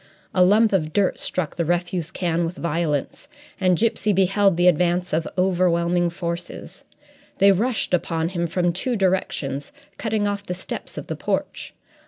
A lump of dirt struck the refuse can with violence, and Gipsy beheld the advance of overwhelming forces. They rushed upon him from two directions, cutting off the steps of the porch.